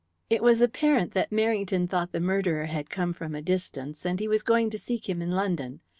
It was apparent that Merrington thought the murderer had come from a distance, and he was going to seek him in London.